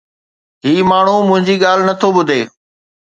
هي ماڻهو منهنجي ڳالهه نه ٿو ٻڌي